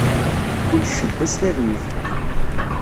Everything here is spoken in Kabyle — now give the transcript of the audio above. Kul ccedda s talwit.